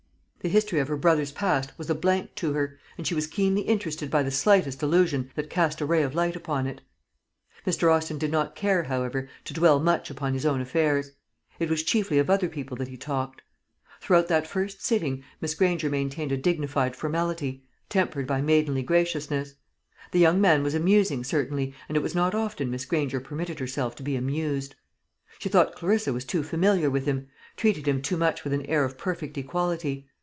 The history of her brother's past was a blank to her, and she was keenly interested by the slightest allusion that cast a ray of light upon it. Mr. Austin did not care, however, to dwell much upon his own affairs. It was chiefly of other people that he talked. Throughout that first sitting Miss Granger maintained a dignified formality, tempered by maidenly graciousness. The young man was amusing, certainly, and it was not often Miss Granger permitted herself to be amused. She thought Clarissa was too familiar with him, treated him too much with an air of perfect equality.